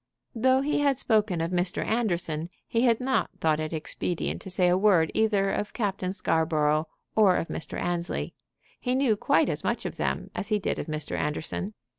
Though he had spoken of Mr. Anderson, he had not thought it expedient to say a word either of Captain Scarborough or of Mr. Annesley. He knew quite as much of them as he did of Mr. Anderson.